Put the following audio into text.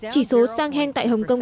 chỉ số shangheng tại hồng kông